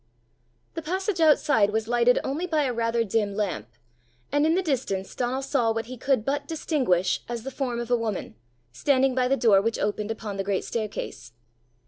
The passage outside was lighted only by a rather dim lamp, and in the distance Donal saw what he could but distinguish as the form of a woman, standing by the door which opened upon the great staircase.